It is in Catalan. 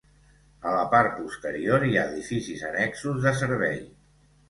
A la part posterior hi ha edificis annexos de servei.